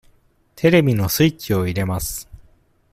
テレビのスイッチを入れます。